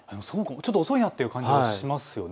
ちょっと遅いなって感じがしますよね。